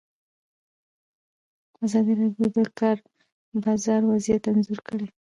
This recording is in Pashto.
ازادي راډیو د د کار بازار وضعیت انځور کړی.